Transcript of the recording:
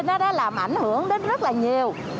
nó đã làm ảnh hưởng đến rất là nhiều